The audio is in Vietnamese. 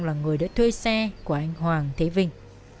là người đã thuê xe của anh hoàng thế vinh